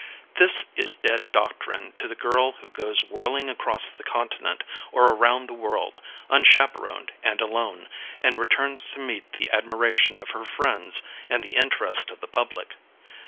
This is dead doctrine to the girl who goes whirling across the continent or around the world, unchaperoned and alone, and returns to meet the admiration of her friends and the interest of the public.